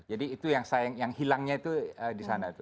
jadi itu yang hilangnya itu disana